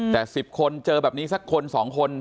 แต่๑๐คนเจอแบบนี้สักคน๒คน